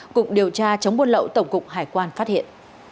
cục điều tra chống buôn lậu tổng cục hải quan phát hiện